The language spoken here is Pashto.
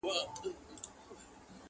کلي کي سړه فضا خپره ده,